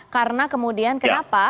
karena kemudian kenapa